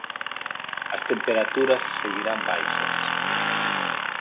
As temperaturas seguirán baixas.